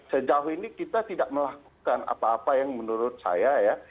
sejauh ini kita tidak melakukan apa apa yang menurut saya ya